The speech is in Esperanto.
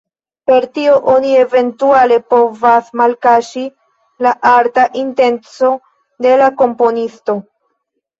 Per tio oni eventuale povas malkaŝi la arta intenco de la komponisto.